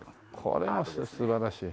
これも素晴らしい。